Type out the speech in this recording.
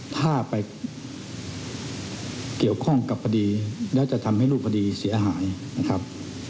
ถ้าไปเกี่ยวข้องกับคดีแล้วจะทำให้รูปคดีเสียหายนะครับ